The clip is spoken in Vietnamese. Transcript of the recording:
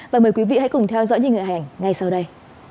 và mời quý vị hãy cùng theo dõi nhìn ngựa hành ngay sau đây